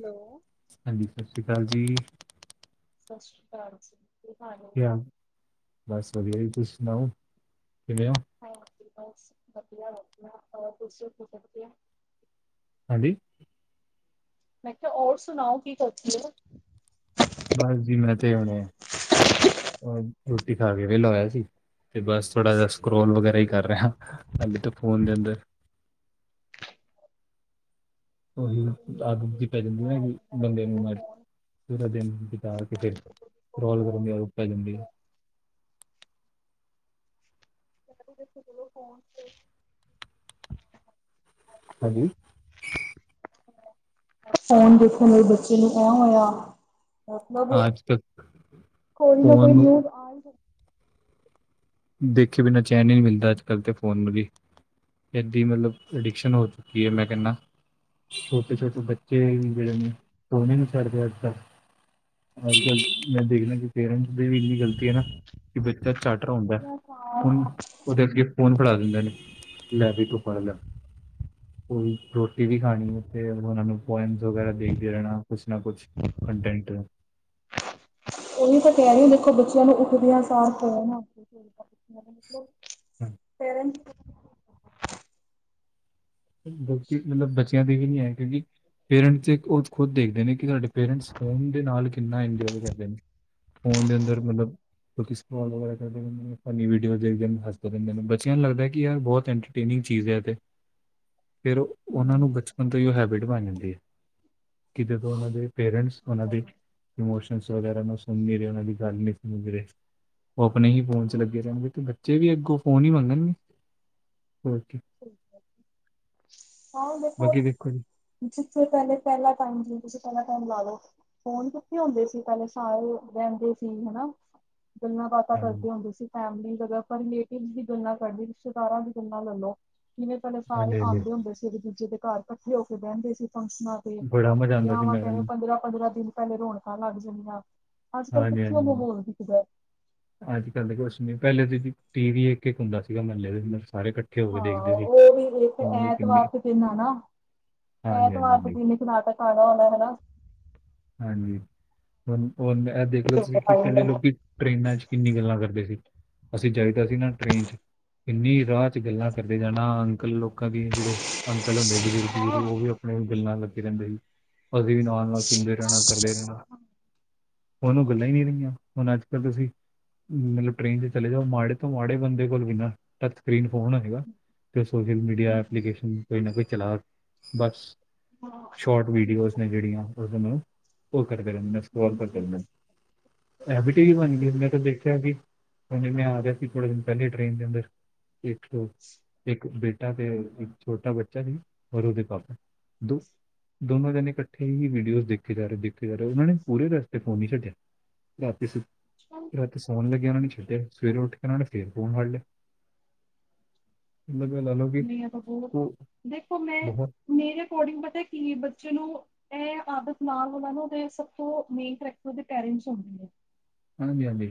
Hello ਹਾਂਜੀ ਸਤਿ ਸ਼੍ਰੀ ਅਕਾਲ ਜੀ ਸਤਿ ਸ਼੍ਰੀ ਅਕਾਲ ਜੀ ਕੀ ਹਾਲ ਐ ਕੀ ਹਾਲ ਬਸ ਵਧੀਆ ਜੀ ਤੁਸੀਂ ਸੁਣਾਓ ਕਿਵੇਂ ਹੋ ਹਾਂ ਜੀ ਬਸ ਵਧੀਆ ਆਪਣਾ ਸੁਣਾਓ ਤੁਸੀਂ ਵਧੀਆ ਹਾਂਜੀ ਮੈਂ ਕਿਹਾ ਔਰ ਸੁਣਾਓ ਕੀ ਕਰਦੇ ਔ ਬਸ ਜੀ ਮੈਂ ਤੇ ਹੁਣੇ ਰੋਟੀ ਖਾ ਕੇ ਵੇਲਾ ਹੋਇਆ ਸੀ ਤੇ ਬਸ ਥੋੜ੍ਹਾ ਜਹਾ ਸਕਰੋਲ ਵਗੈਰਾ ਹੀ ਕਰ ਰਿਹਾ ਅਜ ਤਾਂ ਫੋਨ ਦੇ ਅੰਦਰ ਉਹੀ ਨਾ ਨਿਊਜ਼ ਆਦਤ ਜਿਹੀ ਦੇਖੋ ਪੈ ਜਾਂਦੀ ਇੰਨੀਆਂ ਆ ਨਾ ਰਹੀਆਂ। ਮੈਂ ਵੀ ਬੰਦੇ ਨੂੰ ਜਦੋਂ ਬਸ ਫੋਨ ਪੂਰਾ ਦਿਨ ਬਿਤਾ ਕੇ ਮੈਂ ਫਿਰ ਵੀ ਜਦੋਂ ਦੇਖੋ ਸਕਰੋਲ ਕਰਦੀ ਆ ਪੈ ਜਾਂਦੀ ਮੈਂ ਵੀ ਦੱਸੋ ਚਲੋ ਫੋਨ ਤੇ ਹਾਂ ਹਾਂਜੀ ਹੈਲੋ ਫੋਨ ਦੇਖੋ ਮੇਰੀ ਬੱਚੀ ਨੂੰ ਆਨ ਹੋਇਆ ਮਤਲਬ ਅੱਜ ਕੱਲ ਕੋਈ ਨਾ ਫੋਨ ਕੋਈ ਨੂੰ ਨਿਊਜ਼ ਆ ਹੀ ਜਾਂਦੀ ਦੇਖੇ ਬਿਨਾਂ ਚੈਨ ਈ ਨਹੀਂ ਮਿਲਦਾ ਅੱਜ ਕੱਲ ਤੇ ਫੋਨ ਨੂੰ ਵੀ ਇੱਡੀ ਮਤਲਬ ਅਡਿਕਸ਼ਨ ਹੋ ਚੁੱਕੀ ਹੈ ਮੈਂ ਕਹਿਨਾ ਛੋਟੇ ਛੋਟੇ ਬੱਚੇ ਵੀ ਜਿਹੜੇ ਨੇ ਫ਼ੋਨ ਹੀ ਨੀ ਛੱਡਦੇ ਅੱਜ ਕੱਲ ਹਾਂਜੀ ਹਾਂਜੀ ਮੈਂ ਦੇਖਦਾ ਕਿ ਪੇਰੈਂਟਸ ਦੀ ਵੀ ਇੰਨੀ ਗਲਤੀ ਹੈ ਨਾ ਕਿ ਬੱਚਾ ਝੱਟ ਰੋਂਦਾ ਹੁਣ ਸਾਰ। ਉਹਦੇ ਅਗੇ ਫੋਨ ਫੜਾ ਦਿੰਦੇ ਕਿ ਲੈ ਬਈ ਤੂੰ ਫੜ ਲੈ ਕੋਈ ਵੀ ਰੋਟੀ ਵੀ ਖਾਣੀ ਤੇ ਉਹਨਾ ਨੂੰ ਪੋਇਮਸ ਵਗੈਰਾ ਦੇਖਦੇ ਰਹਿਣਾ ਕੁਛ ਨਾ ਕੁਛ ਕਟੈਂਟ ਉਹੀ ਤਾਂ ਕਹਿ ਰਹੀ ਦੇਖੋ ਬੱਚਿਆਂ ਨੂੰ ਉਠਦਿਆਂ ਸਾਰ ਪੇਰੈਂਟਸ ਗਲਤੀ ਮਤਲਬ ਬੱਚਿਆਂ ਦੀ ਵੀ ਨੀ ਹੈ। ਕਿਉਂਕਿ ਪੇਰੈਂਟਸ ਉਹ ਖੁਦ ਦੇਖਦੇ ਨੇ ਕਿ ਸਾਡੇ ਪੇਰੈਂਟਸ ਫੋਨ ਦੇ ਨਾਲ ਕਿੰਨਾ ਇੰਜੋਏ ਕਰਦੇ ਨੇ, ਫੋਨ ਦੇ ਅੰਦਰ ਮਤਲਬ ਵੀਡੀਓ ਦੇਖਦੇ ਨੇ, ਬੱਚਿਆਂ ਨੂੰ ਲੱਗਦਾ ਕਿ ਯਾਰ ਬਹੁਤ ਤਿੰਨ ਈ ਚੀਜ਼ ਹੈ ਤੇ। ਫਿਰ ਉਹਨਾਂ ਨੂੰ ਪੇਰੈਂਟਸ ਬਚਪਨ ਤੋਂ ਹੀ ਉਹ ਹੈਬਿਟ ਬਣ ਜਾਂਦੀ ਏ, ਕਿਤੇ ਤੋਂ ਉਹਨਾਂ ਦੇ ਪੇਰੈਂਟਸ ਉਹਨਾਂ ਦੇ ਹੂੰ ਇਮੋਸ਼ਨ ਵਗੈਰਾ ਸੁਣ ਨਹੀ ਰਹੇ, ਉਹਨਾਂ ਦੀ ਗੱਲ ਨਹੀਂ ਸੁਣ ਰਹੇ। ਉਹ ਆਪਣੇ ਹੀ ਫੋਨ ਚ ਲੱਗੇ ਰਹਿਣਗੇ, ਤੇ ਬੱਚੇ ਵੀ ਅੱਗੋਂ ਫੋਨ ਹੀ ਮੰਗਣਗੇ ਹੋਰ ਕੀ। ਠੀਕ ਹੈ। ਹਾਂ ਦੇਖੋ ਬਾਕੀ ਜੀ ਜਿਥੇ ਪਹਿਲੇ ਪਹਿਲਾ ਟਾਈਮ ਸੀ ਤੁਸੀਂ ਪਹਿਲਾ ਟਾਈਮ ਲਾ ਲਓ। ਫੋਨ ਕਿਥੇ ਹੁੰਦੇ ਸੀ ਪਹਿਲੇ, ਸਾਰੇ ਰਹਿੰਦੇ ਸੀ ਹਨਾ ਗੱਲਾਂ ਬਾਤਾਂ ਹਾਂਜੀ ਕਰਦੇ ਹੁੰਦੇ ਸੀ। ਫੈਮਲੀ ਜਗ ਆਪਾਂ ਰਿਲੇਟਿਵ ਦੀ ਗਲਾਂ ਕੱਰਦੇ ਸੀ, ਰਿਸ਼ਤੇਦਾਰਾਂ ਦੀ ਗਲਾਂ ਲੈ ਲਓ, ਕਿਵੇਂ ਤੁਹਾਡੇ ਸਾਰੇ ਹਾਂਜੀ ਹਾਂਜੀ ਆਉਂਦੇ ਹੁੰਦੇ ਸੀ, ਇਕ ਦੂਜੇ ਦੇ ਘਰ ਇਕੱਠੇ ਹੋ ਕੇ ਬਹਿੰਦੇ ਸੀ, ਫੰਕਸ਼ਨਾਂ ਬੜਾ ਮਜ਼ਾ ਆਉਂਦਾ ਸੀ ਵਿਆਵਾਂ ਮੈਂ ਤੇ ਹਾਂਜੀ ਪੰਦਰਾਂ -ਪੰਦਰਾਂ ਦਿਨ ਪਹਿਲੇ ਰੌਣਕਾਂ ਲੱਗ ਜਾਂਦੀਆਂ। ਅੱਜ ਕੱਲ੍ਹ ਹਾਂਜੀ ਕਿੱਥੇ ਉਹ -ਹਂਜੀ। ਮਾਹੌਲ ਦਿਖਦਾ ਅੱਜ ਕੱਲ ਦੇ ਕੁਛ ਨੀ, ਪਹਿਲੇ ਟੀ ਵੀ ਇੱਕ- ਇੱਕ ਹੁੰਦਾ ਸੀਗਾ ਮਹਲੇ ਵਿਚ, ਸਾਰੇ ਕਠੇ ਹਾਂ ਉਹ ਵੀ ਇੱਕ ਐਤਵਾਰ ਦੇ ਦਿਨ ਆ ਨਾ, ਹਾਂਜੀ ਹਾਂਜੀ ਐਤਵਾਰ ਦੇ ਹਾਂਜੀ ਦਿਨ ਨਾਟਕ ਆਉਣਾ ਹੁੰਦਾ ਅਦਾ ਹਨਾ। ਹਾਂਜੀ ਹੁਣ ਹ ਇਹ ਦੇਖ ਲਓ ਤੁਸੀਂ ਕਿ ਪਹਿਲੇ ਹਨਾ ਲੋਕੀ ਟ੍ਰੇਨਾਂ ਚ ਕਿੰਨੀ ਗੱਲਾਂ ਕਰਦੇ ਸੀ, ਅਸੀਂ ਜਾਈਦਾ ਸੀ ਨਾ ਟ੍ਰੇਨ ਚ' ਇੰਨੀ ਰਾਤ ਗੱਲਾਂ ਕਰਦੇ ਜਾਣਾ, ਅੰਕਲ ਲੋਕਾਂ ਦੇ ਜਿਹੜੇ ਅੰਕਲ ਹੁੰਦੇ, ਬਜ਼ੁਰਗ -ਬਜੁਰਗ ਉਹ ਵੀ ਆਪਣੇ ਗੱਲਾਂ ਲੱਗੇ ਰਹਿੰਦੇ ਸੀ, ਅਸੀਂ ਵੀ ਨਾਲ -ਨਾਲ ਸੁਣਦੇ ਰਹਿਣਾ, ਕਰਦੇ ਰਹਿਣਾ। ਹੁਣ ਉਹ ਗੱਲਾਂ ਹੀ ਨਹੀਂ ਰਹੀਆਂ, ਹੁਣ ਅੱਜ ਕੱਲ ਤੁਸੀਂ ਮਤਲਬ ਟ੍ਰੇਨ ਤੇ ਚਲੇ ਜਾਓ, ਮਾੜੇ ਤੋਂ ਮਾੜੇ ਬੰਦੇ ਕੋਲ ਵੀ ਨਾ ਟੱਚ ਸਕਰੀਨ ਫੋਨ ਹੈਗਾ। ਸੋਸ਼ਲ ਮੀਡੀਆ ਐਪਲੀਕੇਸ਼ਨ ਕੋਈ ਨਾ ਕੋਈ ਚਲਾ ਬਸ ਹਾਂ ਵੀਡੀਓਜ਼ ਨੇ ਜਿਹੜੀਆਂ ਮ ਉਹ ਕਰਦੇ ਰਹਿੰਦੇ,। ਮ ਕਰ ਰਹ ਇਹ ਵੀਟੀੇ ਵੀ ਬਣ ਗਈ ਏ ਮੈਂ ਤਾਂ ਦੇਖ ਪੁਛਿਆ ਕਿ ਹੁ ਜਿਵੇਂ ਆ ਗਿਆ ਸੀ ਥੋੜੇ ਦਿਨ ਪਹਿਲੇ ਟ੍ਰੇਨ ਦੇ ਅੰਦਰ ਇੱਕ -ਇੱਕ ਬ ਤੇ ਇੱਕ ਛੋਟਾ ਬੱਚਾ ਸੀ, ਔਰ ਉਹਦੇ ਪਾਪਾ ਦੋ ਦੋਨੋ ਜਣੇ ਇਕੱਠੇ ਹੀ ਬ ਦੇਖੇ ਜਾ ਰਹੇ- ਦੇਖੇ ਜਾ ਰਹੇ, ਉਹਨਾਂ ਨੇ ਪੂਰੇ ਰਸਤੇ ਫੋਨ ਨਹੀਂ ਛੱਡਿਆ, ਵਾਪਿਸ ਹਮ। ਰਾਤੀਂ ਸੋਨ ਲੱਗੇ ਵੀ ਨਹੀਂ ਛੱਡਿਆ, ਸਵੇਰੇ ਉੱਠ ਕੇ ਉਹ ਨੇ ਫੇਰ ਫੋਨ ਫੜ ਲਿਆ। ਮਤਲਬ ਮੈਂ ਲਾ ਲਓ ਕਿ ਨਹੀਂ ਆ ਤਾਂ ਬਹੁਤ ਤ ਦੇਖੋ ਮੈਂ ਬਹੁਤ ਮੇਰੇ ਅਕੋਰਡਿੰਗ ਪਤਾ ਕਿ ਬੱਚੇ ਨੂੰ ਇਹ ਆਦਤ ਨਾਲ ਉਹਨਾਂ ਨੂੰ ਦੇ ਸਭ ਤੋਂ ਮੇਨ ਕਰੈਕਟਰ ਦੇ ਪੇਰਟਸ ਹੁੰਦੇ ਨੇ। ਹਾਂਜੀ -ਹਾਂਜੀ!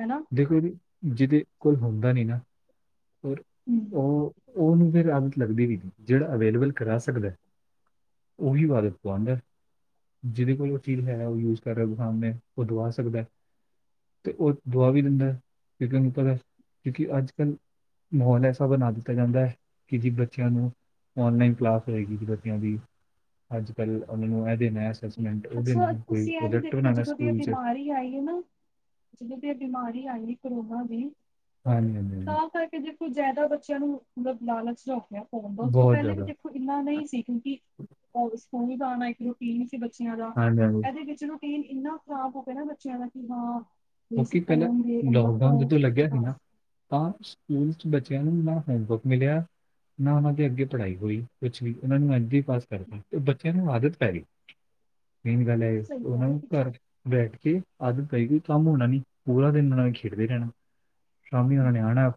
ਹਨਾ। ਦੇਖੋ ਜੀ ਜਿਹਦੇ ਕੋਲ ਹੁੰਦਾ ਨੀ ਨਾ ਪਰ ਉਹ ਉਹਨੂੰ ਫਿਰ ਆਦਤ ਲੱਗਦੀ ਵੀ ਨਹੀਂ, ਜਿਹੜਾ ਅਵੇਲੇਬਲ ਕਰਾ ਸਕਦਾ ਹੈ। ਉਹੀ ਵਦ ਪਦਰ [unintelligible] ਜਿਹਦੇ ਕੋਲ ਉਹ ਚੀਜ਼ ਹੈ, ਉਹ ਯੂਜ ਕਰ ਰਿਹਾ, ਬੁਖਾਮ ਨੇ ਉਹ ਦਵਾ ਸਕਦਾ ਹੈ। ਅਤੇ ਉਹ ਦੁਆ ਵੀ ਦਿੰਦਾ, ਕਿਨ ਨੂੰ ਪਤਾ ਕਿਉਂਕਿ ਅੱਜ ਕੱਲ੍ਹ ਮਾਹੌਲ ਐਸਾ ਬਣਾ ਦਿੱਤਾ ਜਾਂਦਾ ਹੈ, ਕਿ ਜੀ ਬੱਚਿਆਂ ਨੂੰ ਔਨਲਾਈਨ ਕਲਾਸ ਹੋਏਗੀ ਬੱਚਿਆਂ ਦੀ, ਅੱਜ ਕੱਲ ਉਹਨਾਂ ਨੂੰ ਇਹ ਦੇਨਾਂ। ਅੱਛਾ, ਤੁਸੀਂ ਇਹ ਵੀ ਦੇਖੋ, ਜਦੋਂ ਦੀ ਇਹ ਸਕੂਲ 'ਚ ਬਿਮਾਰੀ ਹੀ ਆਈ ਹੈ ਨਾ ਜਿਵੇਂ ਵੀ ਇਹ ਬਿਮਾਰੀ ਆਈ ਕਰੋਨਾ ਦੀ, ਹਾਂਜੀ ਹਾਂਜੀ ਹਾਂਜੀ ਤਾਂ ਕਰਕੇ ਜੇ, ਜ਼ਿਆਦਾ ਬੱਚਿਆਂ ਨੂੰ ਮਤਲਬ ਲਾਲਚ ਜਾ ਹੋਗਿਆ। ਹੋਮ ਬਰਕ ਤੋਂ ਬਹੁਤ ਪਹਿਲੇ ਵੀ ਜ਼ਿਆਦਾ ਦੇਖੋ ਇੰਨਾ ਨਹੀਂ ਸੀ ਕਿਉਂਕਿ, ਉਹ ਸਕੂਲ ਦਾ ਆਉਣਾ ਇੱਕ ਰੂਟੀਨ, ਸੀ ਬੱਚਿਆਂ ਦਾ ਹਾਂਜੀ ਹਾਂਜੀ ਇਹਦੇ ਵਿੱਚ ਨਾ ਕੇਨ ਇੰਨਾ ਖ਼ਰਾਬ ਹੋ ਗਿਆ ਨਾ ਬੱਚਿਆਂ ਦਾ ਕਿ ਹਾਂ, ਵੀ ਅਸੀਂ ਕਿਉਂਕਿ ਪਹਿਲਾਂ ਫੋਨ ਦੇ ਮਤਲਬ ਲੋਕਡਾਊਨ ਫੋਨ ਜਦੋਂ ਲੱਗਿਆ ਸੀ ਹਾਂ ਨਾ, ਤਾਂ ਸਕੂਲ ਚ ਬੱਚਿਆਂ ਨੂੰ ਨਾ ਹੋਂਮ ਵਰਕ ਮਿਲਿਆ, ਨਾ ਉਹਨਾ ਦੇ ਅੱਗੇ ਪੜ੍ਹਾਈ ਹੋਈ ਕੁਛ ਵੀ ਉਹਨਾਂ ਨੂੰ ਐਦਾਂ ਹੀ ਪਾਸ ਕਰਤਾ ਤੇ ਬੱਚਿਆਂ ਨੂੰ ਆਦਤ ਪੈ ਗਈ, ਮੇਨ ਗੱਲ ਆ ਸਹੀ ਕਹਿ ਉਹਨਾ ਰਹੇ ਨੂੰ ਤੁਸੀਂ ਘਰ ਬੈਠ ਕੇ ਆਦਤ ਪੈ ਗਈ। ਕੰਮ ਹੋਣਾ ਨੀ ਪੂਰਾ ਦਿਨ ਉਹਨਾਂ ਨੇ ਖੇਡਦੇ ਰਹਿਣਾ, ਸ਼ਾਮੀ ਉਹਨਾਂ ਨੇ ਆਉਣਾ।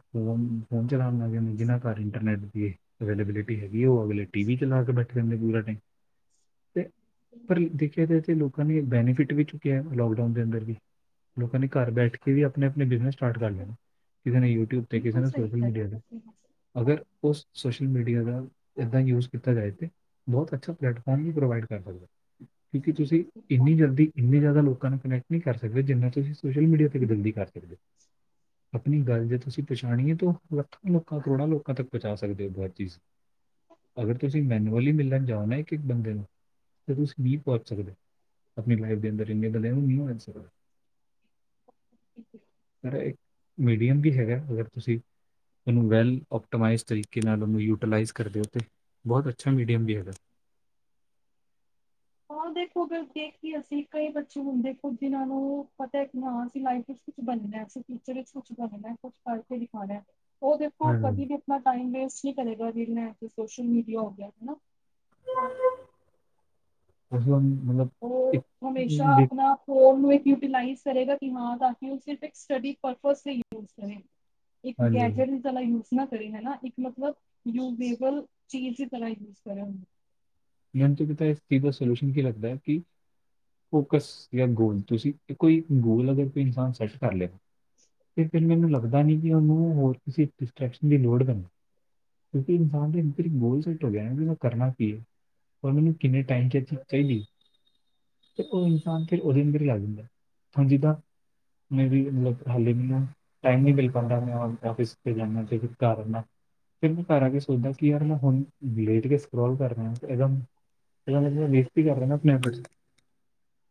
ਫੋਨ ਚਲਾਉਣ ਲੱਗਗੇ ਨੇ ਜਿਹਨ੍ਹਾਂ ਘਰ ਇੰਟਰਨੈਟ ਵੀ ਏ। ਅਵੇਬਿਲਿਟੀ ਹੈਗੀ ਉਹ ਅਗਲੇ ਟੀ ਵੀ ਚਲਾ ਕੇ ਬੈਠੇ ਰਹਿੰਦੇ ਪੂਰਾ ਟਾਇਮ। ਤੇ, ਪਰ ਦੇਖਿਆ ਜਾਏ ਲੋਕਾਂ ਨੇ ਬੈਨੀਫਿਟ ਵੀ ਚੁੱਕਿਆ ਲੋਕਡਾਊਨ ਦੇ ਅੰਦਰ ਵੀ। ਲੋਕਾਂ ਨੇ ਘਰ ਬੈਠ ਕੇ ਵੀ ਆਪਣੇ-ਆਪਣੇ ਬਿਜਨਸ, ਸਟਾਰਟ ਕਰ ਲਿਆ, ਕਿਸੇ ਨੇ ਯੂਟਿਊਬ ਤੇ ਕਿਸੇ ਬਿਲਕੁਲ ਨੇ ਸਹੀ ਸੋਸ਼ਲ ਕਹਿ ਮੀਡੀਆ ਤੇ, ਰਹੇ ਅਗਰ ਤੁਸੀਂ। ਉਸ ਸੋਸ਼ਲ ਮੀਡੀਆ ਦਾ ਏਦਾਂ ਹੀ ਯੂਜ ਕੀਤਾ ਜਾਏ ਤੇ, ਬਹੁਤ ਅੱਛਾ ਪਲੇਟਫਾਰਮ ਵੀ ਪ੍ਰੋਵਾਈਡ ਕਰ ਸਕਦਾ। ਕਿਉਂਕਿ ਤੁਸੀਂ ਇੰਨੀ ਜਲਦੀ ਇੰਨੇ ਜ਼ਿਆਦਾ ਲੋਕਾਂ ਨੂੰ ਕਨੈਕਟ ਨਹੀ ਕਰ ਸਕਦੇ ਜਿੰਨਾ ਤੁਸੀਂ ਸੋਸ਼ਲ ਮੀਡੀਆ ਤੇ ਵੀ ਜਲਦੀ ਕਰ ਸਕਦੇ ਹੋ। ਆਪਣੀ ਗੱਲ ਜੇ ਤੁਸੀਂ ਪਹੁੰਚਾਣੀ ਏਤਾਂ ਉਹ ਲੱਖਾਂ ਲੋਕਾਂ ਕਰੋੜਾਂ ਲੋਕਾਂ ਤੱਕ ਪਹੁੰਚਾ ਸਕਦੇ ਹੋ ਹਰ ਚੀਜ਼। ਅਗਰ ਤੁਸੀਂ ਮੈਨੂਅਲੀ ਮਿਲਣ ਜਾਣਾ ਨਾ ਇੱਕ-ਇੱਕ ਬੰਦੇ ਨੂੰ, ਤਾਂ ਤੁਸੀਂ ਵੀ ਪਹੁੰਚ ਸਕਦੇ ਆਪਣੀ ਲਾਈਫ ਦੇ ਅੰਦਰ ਇੰਨੀੇ ਗੱਲ ਆ ਨਾ ਉਹ ਨੀ ਹੋ [unintelligible] ਸਰ ਏ, ਮੀਡੀਅਮ ਵੀ ਹੈਗਾ ਅਗਰ ਤੁਸੀਂ ਇਹਨੂੰ ਵੈੱਲ ਓਪਟਮਾਈਜ਼ ਤਰੀਕੇ ਨਾਲ ਉਹਨੂੰ ਯੂਟੀਲਾਈਜ਼ ਕਰਦੇ ਹੋ ਅਤੇ ਬਹੁਤ ਅੱਛਾ ਮੀਡੀਅਮ ਵੀ ਹੈਗਾ। ਹਾਂ ਦੇਖੋ ਅਗਰ ਦੇਖਿਏ ਅਸੀਂ ਕਈ ਬੱਚੇ ਹੁੰਦੇ ਦੇਖੋ ਜਿਨਾਂ ਨੂੰ ਪਤਾ ਕਿ ਅਸੀ ਹਾਂ ਲਾਈਫ ਵਿੱਚ ਕੁਛ ਬਣਨਾ ਜਿੰਦਗੀ ਵਿੱਚ ਟੀਚਰ ਵਿੱਚ ਕੁਛ ਬਣਨਾ ਕੁਛ ਪੜ੍ਹ ਕੇ ਦਿਖਾਣਾ। ਉਹ ਦੇਖੋ ਹਾਂਜੀ ਕਦੇ ਵੀ ਆਪਣਾ ਟਾਈਮ ਵੇਸਟ ਨਹੀਂ ਕਰੇਗਾ ਜੀ ਇੱਥੇ ਸੋਸ਼ਲ ਮੀਡੀਆ ਹੋ ਗਿਆ ਹਨਾ ਤੁਸੀਂ ਹੁਣ ਮਤਲਬ ਉਹ ਇੱਕ ਹਮੇਸ਼ਾ ਦੇਖ ਆਪਣਾ ਉਹਨੂੰ ਯੂਟੀਲਾਈਸ ਕਰੇਗਾ ਕਿ ਹਾਂ ਤਾਂ ਕਿ ਸਿਰਫ਼ ਇਕ ਸਟੱਡੀ ਪੁਰਪਸ ਲਈ ਯੂਸ ਕਰੇ। ਇੱਕ ਹਾਂਜੀ ਹਾਂਜੀ ਗੈਜਟ ਟ ਯੂਜ ਨਾ ਕਰੇ ਹਨਾ ਇੱਕ ਮਤਲਬ ਯੂੇਬਲ ਚੀਜ਼ ਹੀ ਪਹਿਲਾ ਯੂਜ ਕਰੇ। ਮੇਨੂ ਤੇ ਪਤਾ ਇਸ ਚੀਜ਼ ਦਾ ਸੋਲਿਊਸ਼ਨ ਕੀ ਲੱਗਦਾ ਹੈ ਕਿ ਫੋਕਸ ਜਾਂ ਗੋਲ ਤੁਸੀਂ ਕੋਈ ਗੋਲ ਅਗਰ ਕੋਈ ਇਨਸਾਨ ਸੈੱਟ ਕਰਲੇ। ਤੇ ਫਿਰ ਮੈਨੂੰ ਲੱਗਦਾ ਨਹੀਂ ਕਿ ਉਹਨੂੰ ਹੋਰ ਕਿਸੇ ਡਿਸਟਰ੍ਰੈਕਸ਼ਨ ਦੀ ਲੋੜ ਪੈ ਕਿਉਂਕਿ ਇਨਸਾਨ ਨੇ ਇੱਕ ਵਾਰੀ ਗੋਲ ਸੈਟ ਹੋ ਗਿਆ ਨਾ ਕਰਨਾ ਕੀ ਹੈ। ਪਰ ਮੈਨੂੰ ਕਿੰਨੇ ਟਾਈਮ ਚ ਅਚੀਬ ਚਾਹੀਦੀ ਤੇ ਉਹ ਇਨਸਾਨ ਫਿਰ ਉਹਦੇ ਅੰਦਰ ਹੀ ਆ ਜਾਂਦਾ ਹੁਣ ਜਿੱਦਾਂ ਮੈ ਵੀ ਮਤਲਬ ਹੱਲੇ ਵੀ ਆ ਟਾਈਮ ਨਹੀਂ ਮਿਲ ਪਾਂਦਾ ਆਫਿਸ ਤੇ ਜਾਂਦਾ ਫਿਰ ਘਰ ਆਣਾ। ਫਿਰ ਮੈਂ ਘਰ ਆ ਕੇ ਸੋਚਦਾ ਕਿ ਯਾਰ ਮੈਂ ਹੁਣ ਲੇਟ ਕੇ ਸਕਰੋਲ ਕਰਨਾ। ਪਹਿਲਾ, ਪਹਿਲੇ ਮੈ ਲਿਖਤੀ ਕਰ ਲੈਣਾ ਆਪਣੇ ਐਫੜਸ ਦੀ,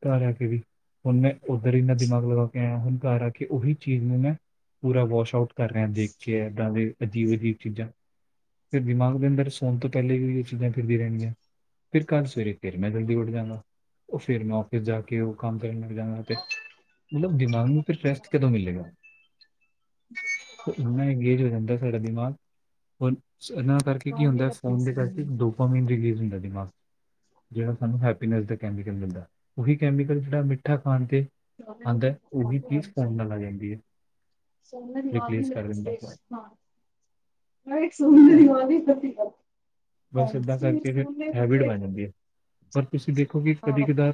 ਘਰ ਆ ਕੇ ਵੀ। ਹੁਣ ਮੈਂ ਉੱਧਰ ਇਹਨਾ ਦਿਮਾਗ ਲਗਾ ਕੇ ਆਇਆ ਹੁਣ ਘਰ ਆ ਕੇ ਉਹੀ ਚੀਜ਼ ਨੂੰ ਮੈਂ ਪੂਰਾ ਵਾਸ਼ ਆਊਟ ਕਰ ਰਿਹਾ ਦੇਖ ਕੇ ਏਦਾਂ ਦੇ ਅਜੀਬ-ਅਜੀਬ ਚੀਜ਼ਾਂ, ਤੇ ਦਿਮਾਗ ਦੇ ਅੰਦਰ ਸੋਣ ਤੋਂ ਪਹਿਲੇ ਵੀ ਚੀਜ਼ਾਂ ਫਿਰਦੀਆਂ ਰਹਿਣਗੀਆਂ ਫਿਰ ਕੱਲ ਸਵੇਰੇ ਫਿਰ ਮੈਂ ਜਲਦੀ ਉੱਠ ਜਾਣਾ। ਉਹ ਫਿਰ ਮੈਂ ਔਫਿਸ ਜਾ ਕੇ ਕਿ ਉਹ ਕੰਮ ਕਰਨ ਲੱਗ ਜਾਂਗਾ ਤੇ, ਮਤਲਬ ਦਿਮਾਗ ਨੂੰ ਫਿਰ ਸ ਹਾਂਜੀ, ਰੈਸਟ ਕਦੋਂ ਮਿਲੇਗਾ। ਇਨਾ ਇੰਗੇਜ ਹੋ ਜਾਂਦਾ ਸਾਡਾ ਦਿਮਾਗ, ਹੁਣ ਕੁਛ ਨਾ ਕਰਕੇ ਕੀ ਹੁੰਦਾ, ਫੋਨ ਦੇ ਹਾਂਜੀ। ਕਰਕੇ ਡੋਪਾਮੀਨ ਰਿਲੀਜ਼ ਹੁੰਦਾ ਦਿਮਾਗ ਜਿਹੜਾ ਸਾਨੂੰ ਹੈਪੀਨੈਸ ਦਾ ਕੈਮੀਕਲ ਮਿਲਦਾ, ਉਹੀ ਕੈਮੀਕਲ ਜਿਹੜਾ ਮਿੱਠਾ ਖਾਣ ਤੇ ਆਂਦਾ, ਉਹੀ ਪੀਜ਼ ਫੋਨ ਨਾਲ ਆ ਜਾਂਦੀ ਏ। ਸੋਨੇ ਦੀ ਅਵਾਜ਼ ਵੀ ਲੱਗੀ ਸੀ ਹੈ। [unintelligible] ਨਹੀਂ, ਸੁੰਨੇ ਦੀ ਅਵਾਜ਼ ਈ ਏਦਾਂ ਦੀ ਆ। ਹੈਬੀਟ ਬਣ ਜਾਂਦੀ ਏ, ਪਰ ਤੁਸੀਂ ਦੇਖੋ ਕਿ ਹਾਂ ਮੈਂ ਕਦੀ-ਕਦਾਰ,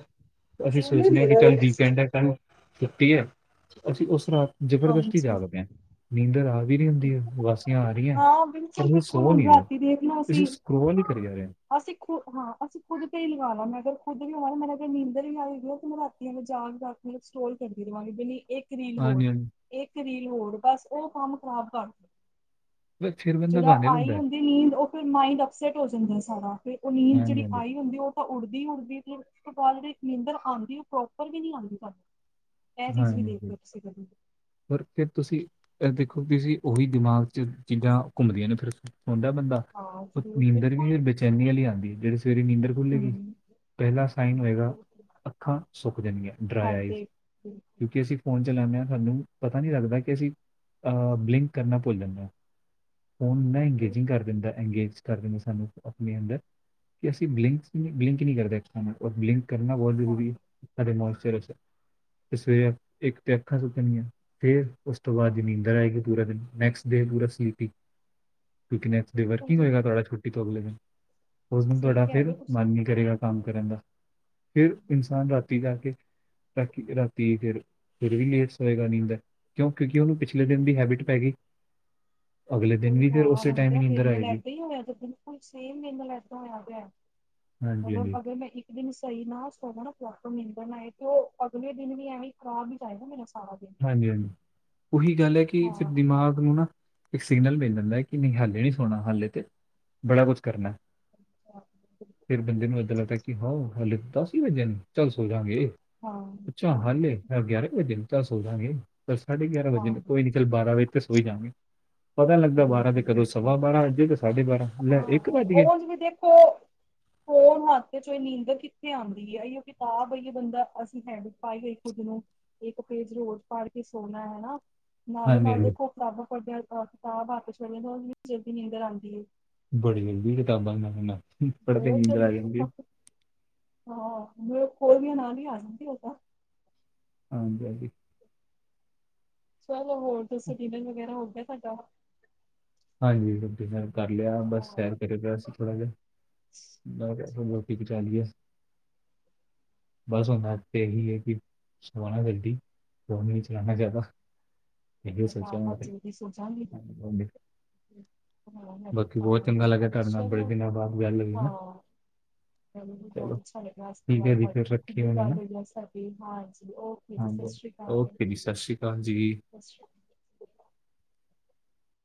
ਇੱਕ ਅਸੀਂ ਸੋਨੇ ਸੋਚਨੇ ਆ ਦੀ ਵਾਲੀ ਲੱਗੀ ਹਾਂਜੀ ਸੋਨੇ ਦੀ ਏ ਹਾਂ ਸੋਨੇ ਦੀ ਕਿ ਨਾ ਚੱਲ ਇਹ ਵੀਕੈਂਡ ਛੁੱਟੀ ਐ, ਅਸੀਂ ਉਸ ਨਾਲ ਜਬਰਦਸਤੀ ਹਾਂਜੀ। ਜਾਂਗ ਪੈਂਨ ਨੀਂਦਰ ਆਵੀ ਰੀ ਹੁੰਦੀ ਏ, ਵਾਸੀਆਂ ਆ ਰਹੀਆਂ, ਹਾਂ ਬਿਲਕੁਲ ਪਰ ਬਿਲਕੁਲ ਸੋ ਹੁਣ ਨਹੀਂ ਰਹੇ। ਰਾਤੀ ਦੇਖਣਾ ਅਸੀਂ ਤੁਸੀਂ ਸਕਰੋਲ ਈ ਕਰੀ ਜਾ ਰਹੇ ਓ। ਅਸੀਂ ਖ਼ੁਦ ਹਾਂ, ਅਸੀਂ ਖੁਦ ਤੇ ਹੀ ਲਗਾਣਾ ਮੈਂ ਅਗਰ ਖੁਦ ਲਗਾਉਣਾ ਮੇਰੇ ਅਗਰ ਨੀਂਦ ਵੀ ਆਏਗੀ ਤੇ ਮੈਂ ਰਾਤੀ ਜਾਗ-ਜਾਗ ਕੇ ਮੈਂ ਸਕਰੋਲ ਕਰਦੀ ਰਵਾਂਗੀ, ਇਕ ਇਕ ਰੀਲ ਹੋਰ, ਹਾਂਜੀ ਹਾਂਜੀ ਇਕ ਰੀਲ ਹੋਰ, ਬਸ ਉਹ ਕੰਮ ਖਰਾਬ ਕਰ ਬਸ ਫਿਰ ਬੰਦਾ ਜਿਹੜਾ ਬਹਾਨੇ ਆਈ ਲੈਂਦਾ ਹੈ ਹੁੰਦੀ ਨੀਂਦ, ਉਹ ਫਿਰ ਮਾਈਂਡ ਅੱਪਸੈਟ ਹੋ ਜਾਂਦਾ ਸਾਰਾ। ਤੇ ਉਹ ਨੀਂਦ ਹਾਂਜੀ ਜਿਹੜੀ ਹਾਂਜੀ ਆਈ ਹੁੰਦੀ ਉਹ ਤਾਂ ਉੱਡਦੀ-ਉੱਡਦੀ ਤੇ ਉਸ ਤੋਂ ਬਾਅਦ ਜਿਹੜੀ ਨੀਂਦਰ ਆਂਦੀ, ਓ ਪ੍ਰੌਪਰ ਵੀ ਨਹੀਂ ਆਂਦੀ ਸਾਨੂੰ। ਹਾਂਜੀ, ਪਰ ਫਿਰ ਤੁਸੀਂ ਦੇਖੋ ਤੁਸੀਂ ਉਹੀ ਦਿਮਾਗ'ਚ ਚੀਜ਼ਾਂ ਘੁੰਮਦੀਆਂ ਨੇ ਫਿਰ, ਸੋਂਦਾ ਬੰਦਾ ਹਾਂ ਉਹ ਜ਼ਰੂਰ ਨੀਂਦਰ ਵੀ ਬਿਲਕੁਲ ਫਿਰ ਬੇਚੈਨੀ ਵਾਲੀ ਆਂਦੀ, ਜਿਹੜੀ ਸਵੇਰੇ ਨੀਂਦਰ ਖੁੱਲ੍ਹੇਗੀ, ਹਮ ਪਹਿਲਾ ਸਾਈਨ ਹੋਏਗਾ ਬਿਲਕੁਲ ਅੱਖਾਂ ਸੁੱਕ ਜਾਣਗੀਆਂ ਡਰਾਈ ਆਈਜ਼ ਹੈਡੇਕ ਬਿਲਕੁਲ ਕਿਉਂਕਿ ਅਸੀਂ ਫੋਨ ਚਲਾਂਨੇ ਆ ਨਾ, ਸਾਨੂੰ ਪਤਾ ਨੀ ਲੱਗਦਾ ਕਿ ਅਸੀਂ ਅਹ ਬਲਿੰਕ ਕਰਨਾ ਭੁੱਲ ਜਾਂਦਾ ਏ, ਹੁਣ ਨਾ ਬਿਲਕੁਲ ਇੰਗੇਜਿੰਗ ਕਰ ਦਿੰਦਾ ਇੰਗੇਜ ਕਰਦੇ ਨੇ ਸਾਨੂੰ ਆਪਣੇ ਅੰਦਰ, ਕਿ ਅਸੀਂ ਬਲਿੰਕ, ਬਲਿੰਕ ਨਹੀਂ ਕਰਦੇ, ਔਰ ਬਲਿੰਕ ਕਰਣਾ ਬਹੁਤ ਹਾਂ ਜਰੂਰੀ ਏ, ਸਾਡੇ ਮੌਇਸ਼ਚਰ ਆਸ ਤੇ ਸਵੇਰ ਇੱਕ ਤੇ ਅੱਖਾਂ ਸੁੱਕਣਗੀਆ, ਫੇਰ ਉਸ ਤੋਂ ਬਾਅਦ ਹਾਂ ਨੀਂਦਰ ਆਏਗੀ ਪੂਰਾ ਦਿਨ, ਨੈਕਸਟ [inaudible] ਵਰਕ ਬਿਲਕੁਲ ਕੀ ਜੀ ਹੋਏਗਾ ਤੁਆਡਾ ਛੁੱਟੀ ਤੋਂ ਅਗਲੇ ਦਿਨ। ਉਸਨੂੰ ਸਹੀ ਤੁਆਡਾ ਕਹਿ ਫੇਰ ਰਹੇ ਹੋ ਤੁਸੀਂ ਮਨ ਨੀ ਕਰੇਗਾ ਕਾਮ ਕਰਨ ਦਾ, ਫੇਰ ਇਨਸਾਨ ਰਾ ਟੀ ਕਰਕੇ, ਰ੍ਹਾਤੀ ਫਿਰ ਰ੍ਹਾਤੀ ਫਿਰ ਵੀ ਲੇਟ ਸੋਏਗਾ, ਨੀੰਦਰ ਕਿਉਂ, ਕਿਉਂਕਿ ਉਨੂੰ ਪਿਛਲੇ ਦਿਨ ਦੀ ਹੈਬਿਟ ਪੈਗੀ। ਹੀ [unintelligible] ਮੇਰ ਨੀਂਦਰ ਨਾਲ ਆਏਗੀ ਏਦਾਂ ਈ ਹੋਇਆ, ਸੱਚੀ। ਬਿਲਕੁਲ ਸੇਮ ਮੇਰੇ ਨਾਲ ਏਦਾਂ ਹੋਇਆ ਪਿਆ, ਹਾਂਜੀ ਹਾਂਜੀ ਮਤਲਬ ਅਗਰ ਮੈਂ ਦਿਨ ਸਈ ਨਾ ਸੋਵਾ ਨਾ ਪ੍ਰੌਪਰ ਨਿੰਦਰ ਨਾ ਆਏ, ਤੇ ਓ ਅਗਲੇ ਦਿਨ ਵੀ ਐਵੇਂ ਖ਼ਰਾਬ ਈ ਜਾਏਗਾ ਮੇਰਾ ਸਾਰਾ ਦਿਨ ਹਾਂਜੀ-ਹਾਂਜੀ ਉਈ ਗੱਲ ਐ ਕਿ, ਫਿਰ ਹਾਂ। ਦਿਮਾਗ ਨੂੰ ਨਾ ਇੱਕ ਸਿਗਨਲ ਮਿਲ ਜਾਂਦੈ ਕਿ ਨਹੀਂ ਹਾਲੇ ਨੀ ਸੋਣਾ, ਹਲੇ ਤੇ ਬੜਾ ਕੁਛ ਕਰਨਾ। ਫਿਰ ਬੰਦੇ ਨੂੰ ਏਦਾਂ ਲਗਦੈ ਕਿ ਹੋੋਰ ਹਲੇ ਦੱਸ ਈ ਵਜੇ ਨੇ, ਚੱਲ ਸੋ ਜਾਂਗੇ, ਹਾਂ, ਅਛਾ ਹਾਂ, ਹਾਲੇ ਗਿਆਰਾਂ ਈ ਵਜੇ ਨੇ। ਚੱਲ ਸੋਜਾਂਗੇ, ਬਸ ਸਾਢੇ ਗਿਆਰਾਂ ਵਜੇ ਹਾਂ ਨ ਕੋਈ ਨੀ ਚੱਲ ਬਾਰਾਂ ਵਜੇ ਤੇ ਸੋਈ ਜਾਂਗੇ। ਪਤਾ ਲੱਗਦਾ ਬਾਰਾਂ ਤੇ ਬਿਲਕੁਲ, ਕਦੋ ਸਵਾ ਬਿਲਕੁਲ ਬਾਰਾਂ ਵਜੇ ਤੇ ਸਾਢੇ ਬਾਰਾਂ, ਲੈ ਏਕ ਹਾਂ ਵੱਜ‌ ਗਏ। ਉਂਝ ਵੀ ਦੇਖੋ ਫੋਨ ਹੱਥ'ਚ ਹੋਏ ਨੀਂਦਰ ਕਿੱਥੇ ਆਂਦੀ ਏ, ਐਈੳ ਕਿਤਾਬ ਅਈ ਬੰਦਾ, ਅਸੀਂ ਹੈਂਬੀਟ ਪਾਈ ਹੋਈਏ ਖੁੱਦ ਨੂੰ। ਏਕ ਪੇਜ ਰੋਜ਼ ਪਾੜਕੇ ਸੋਣਾ ਹੈਨਾ। ਹਾਂਜੀ, ਨਾਲੋਂ-ਨਾਲ ਹਾਂਜੀ ਦੇਖੋ ਕਿਤਾਬਾਂ ਪੜਦਿਆਂ ਕਿਤਾਬ ਹਾਥ'ਚ ਫੜੀਆਂ ਹੋਨ ਕਿੰਨੀ ਛੇਤੀ ਨੀਂਦਰ ਆਂਦੀ ਏ। ਬੜੀ ਜਲਦੀ ਕਿਤਾਬਾਂ ਨਾਲ, [unintelligible] ਪੜ੍ਹਦੇਆ ਈ ਬਹੁਤ ਨੀਂਦਰ ਆ ਜਲਦੀ ਜਾਂਦੀ ਏ। ਹਾਂ, ਖੋਲਦੇਆ ਨਾਲ ਈ ਆ ਜਾਂਦੀ ਓਦਾ। ਹਾਂਜੀ-ਹਾਂਜੀ। ਚਲੋ ਹੋਰ ਦਸੋ ਹਾਂਜੀ ਡਿਨਰ ਵਗੈਰਾ ਹੋ ਗਿਆ ਤੁਆਡਾ। ਹਾਂਜੀ ਡੀਨਰ ਕਰ ਲਿਆ ਬਸ ਸੈਰ ਕਰਦਾ ਸੀ। ਥੋੜਾ ਜੇਆ ਮੈਂ ਕਿਆ ਰੋਟੀ ਪਚਾ ਲਈਏ ਅਸੀਂ। ਬਸ ਹੁਨ ਤੇ ਏਹੀ ਏ ਕਿ ਸੋਆਨਾ ਜਲਦੀ ਫੋਨ ਨੀ ਚਲਾਣਾ ਜਾਦਾ। ਮੈਂ ਤਾਂ ਆਪ [inaudible] ਹੁ। ਬਾਕੀ ਬੋਤ ਚੰਗਾ ਲੱਗਿਆ ਤਾਡੇ ਨਾਲ ਬੜੇ ਦਿਨਾਂ ਬਾਦ ਗੱਲ ਹੋਈ ਨਾ। [inaudible] ਸਾਨੂੰ ਵੀ ਬਹੁਤ ਚਲੋ ਅੱਛਾ ਲੱਗਾ ਠੀਕ ਹੈ ਜੀ ਫਿਰ ਰੱਖੀ ਹੁਣ ਹੈ ਨਾ ਹਾਂਜੀ ਓਕੇ ਜੀ ਸਸ਼੍ਰੀ ਕਾਲ ਜੀ। ਸਤਿ ਸ੍ਰੀ ਅਕਾਲ